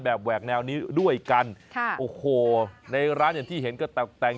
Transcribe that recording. แหวกแนวนี้ด้วยกันค่ะโอ้โหในร้านอย่างที่เห็นก็แต่งแต่ง